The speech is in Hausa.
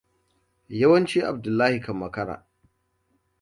Yawanci Abdullahi kan makara.